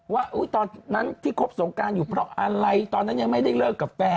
ว่าตอนนั้นที่ครบสงการอยู่เพราะอะไรตอนนั้นยังไม่ได้เลิกกับแฟน